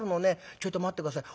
ちょいと待って下さい。